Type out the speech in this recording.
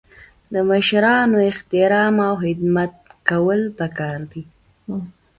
د مشرانو احترام او خدمت کول پکار دي.